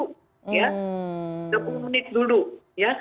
kadang ada dari seratus ribu mungkin ada satu dua orang yang seperti itu